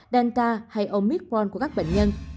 delta hay omicron của các bệnh nhân